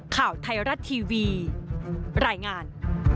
ข่าวไทยรัฐทีวีรายงาน